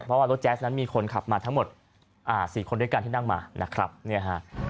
เพราะว่ารถแจ๊สนั้นมีคนขับมาทั้งหมด๔คนด้วยกันที่นั่งมานะครับเนี่ยฮะ